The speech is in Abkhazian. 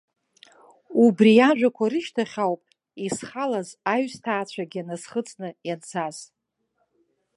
Убри иажәақәа рышьҭахь ауп, исхалаз аҩсҭаацәагьы насхыҵны ианцаз.